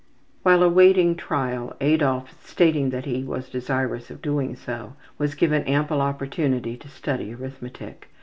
While awaiting trial Adolf, stating that he was desirous of doing so, was given ample opportunity to study arithmetic.